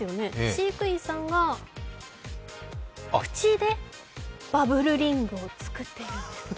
飼育員さんが口でバブルリングを作っているんです。